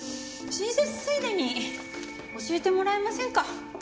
親切ついでに教えてもらえませんか？